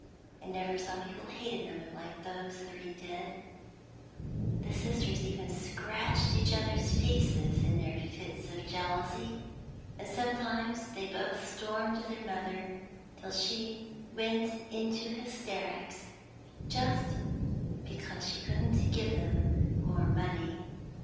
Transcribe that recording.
I never saw people hate one another like those three did; the sisters even scratched each other's faces in their fits of jealousy, and sometimes they both stormed at their mother till she went into hysterics, just because she couldn't give them more money.